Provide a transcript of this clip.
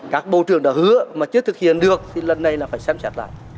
các bộ trưởng đã hứa mà chưa thực hiện được thì lần này là phải xem xét lại